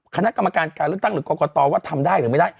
คณะกรรมการการเลือกตั้งหรือกรกตว่าทำได้หรือไม่ได้